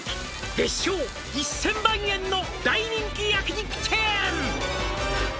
「月商１０００万円の大人気焼肉チェーン」